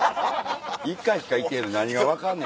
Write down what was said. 一回しか行ってへんのに何が分かんねん。